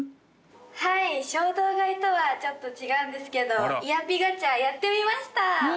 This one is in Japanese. はい衝動買いとはちょっと違うんですけどイヤピガチャやってみました！